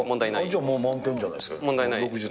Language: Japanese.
じゃあもう満点じゃないです問題ないです。